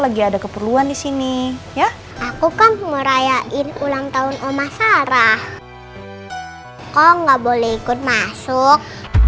lagi ada keperluan di sini ya aku kan merayakan ulang tahun oma sarah kok nggak boleh ikut masuk